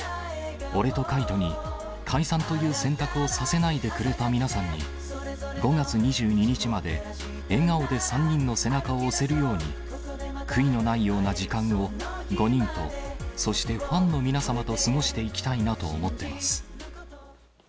俺と海人に解散という選択をさせないでくれた皆さんに、５月２２日まで、笑顔で３人の背中を押せるように、悔いのないような時間を、５人と、そしてファンの皆様と過ごしていきたいなと思っています。